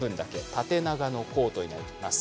縦長のコートになります。